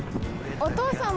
お父さん。